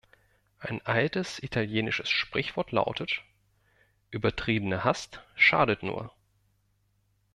Ein altes italienisches Sprichwort lautet: "Übertriebene Hast schadet nur".